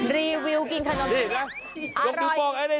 รีวิวกินขนมจีนเนี่ย